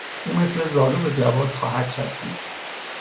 او مثل زالو به جواد خواهد چسبید.